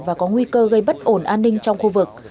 và có nguy cơ gây bất ổn an ninh trong khu vực